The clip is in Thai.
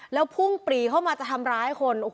แล้วพุ่งปรีเข้ามาจะทำร้ายคน